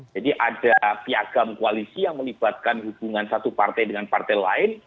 jadi ada piagam koalisi yang melibatkan hubungan satu partai dengan partai lain